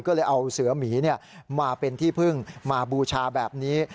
ก็เลยเอาเสือหมีมาเป็นที่พึ่งมาบูชาแบบนี้